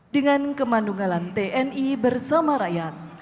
dengan kemandunggalan tni bersama rakyat